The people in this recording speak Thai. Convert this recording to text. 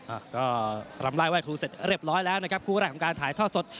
อ่ะก็รำลายไหว้ครูเสร็จเรียบร้อยแล้วก็คุณแรกของถ่ายทอดสด